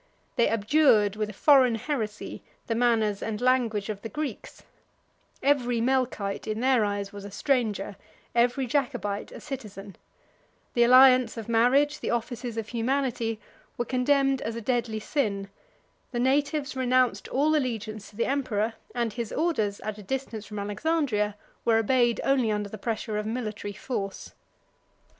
They abjured, with a foreign heresy, the manners and language of the Greeks: every Melchite, in their eyes, was a stranger, every Jacobite a citizen; the alliance of marriage, the offices of humanity, were condemned as a deadly sin; the natives renounced all allegiance to the emperor; and his orders, at a distance from Alexandria, were obeyed only under the pressure of military force.